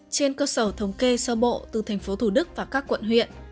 trên cơ sở thống kê sơ bộ từ tp thu đức và các quận huyện